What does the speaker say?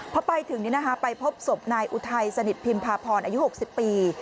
พอไปถึงไปพบศพนายอุทัยสนิทพิมพาพรอายุ๖๐ปี